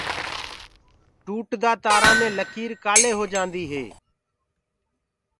ٽوٽدآ تآرآ مي لڪيٚر ڪآلي هوجآنديٚ هي؟